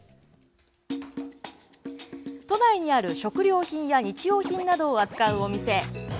都内にある食料品や日用品などを扱うお店。